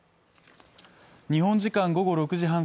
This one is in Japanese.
日本時間午後６時半